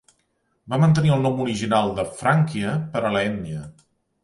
Va mantenir el nom original de "Frankia" per a la ètnia.